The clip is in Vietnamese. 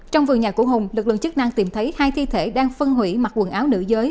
trong vườn nhà của hùng lực lượng chức năng tìm thấy hai thi thể đang phân hủy mặc quần áo nữ giới